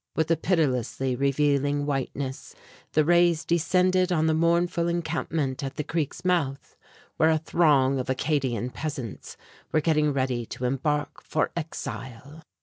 With a pitilessly revealing whiteness the rays descended on the mournful encampment at the creek's mouth, where a throng of Acadian peasants were getting ready to embark for exile.